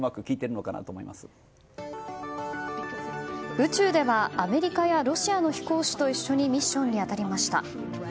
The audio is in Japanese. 宇宙ではアメリカやロシアの飛行士と一緒にミッションに当たりました。